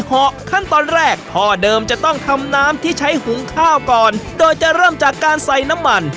ขั้นตอนแรกพ่อเดิมจะต้องทำน้ำที่ใช้หุงข้าวก่อนโดยจะเริ่มจากการใส่น้ำมัน